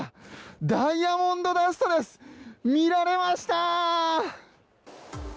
ダイヤモンドダストみられました